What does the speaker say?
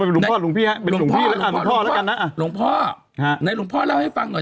หลวงพ่อหลวงพี่ฮะหลวงพ่อหลวงพ่อหลวงพ่อไหนหลวงพ่อเล่าให้ฟังหน่อย